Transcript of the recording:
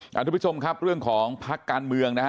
ยาท่านผู้ผู้ชมครับเรื่องของพรรคการเมือง